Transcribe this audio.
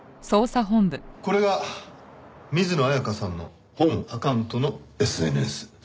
これが水野彩香さんの本アカウントのＳＮＳ。